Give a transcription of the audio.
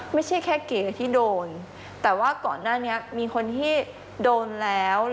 ไม่ใช่แค่เก๋ที่โดนแต่ว่าก่อนหน้านี้มีคนที่โดนแล้ว